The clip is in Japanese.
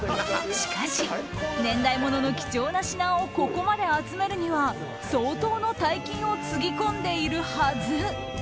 しかし、年代物の貴重な品をここまで集めるには相当の大金をつぎ込んでいるはず。